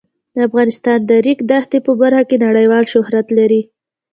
افغانستان د د ریګ دښتې په برخه کې نړیوال شهرت لري.